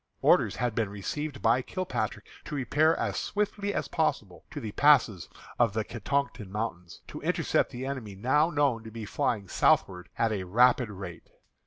Orders had been received by Kilpatrick to repair as swiftly as possible to the passes in the Catoctin Mountains, to intercept the enemy now known to be flying southward at a rapid rate.